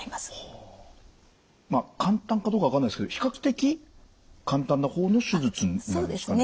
簡単かどうか分かんないですけど比較的簡単なほうの手術なんですかね？